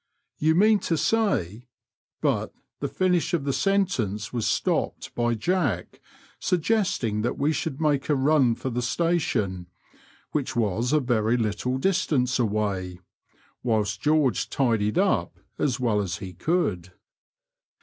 You mean to say " but the finish of the sentence was stopped by Jack suggesting that we should make a run for the Station (which was a very little distance away), whilst George tidied up as well as he could.